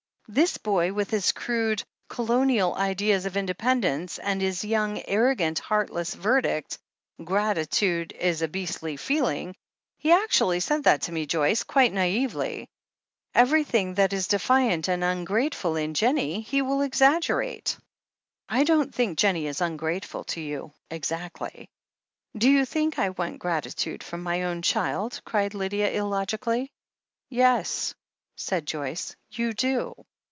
This boy, with his crude, Colonial ideas of in dependence, and his young, arrogant, heartless verdict — 'gratitude is a beastly feeling' — ^he actually said that to me, Joyce, quite naively !— everything that is defiant and ungrateful in Jennie, he will exaggerate." "I don't think Jennie is ungrateful to you, exactly." "Do you think I want gratitude from my own child?" cried Lydia illogically. "Yes," said Joyce, "you do.